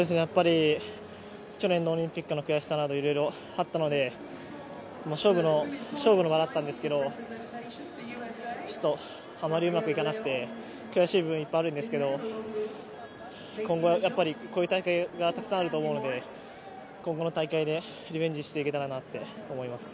去年のオリンピックの悔しさなどいろいろあったので、勝負の場ではあったんですけど、ちょっと、あまりうまくいかなくて悔しい部分いっぱいあるんですけど今後、こういう大会がたくさんあると思うので今後の大会でリベンジしていけたらなって思います。